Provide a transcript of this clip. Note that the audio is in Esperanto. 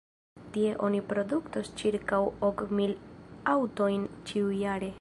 Tie oni produktos ĉirkaŭ ok mil aŭtojn ĉiujare.